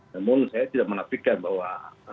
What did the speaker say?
namun saya tidak menafikan bahwa